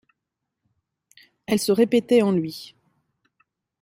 Elles se répétaient en lui.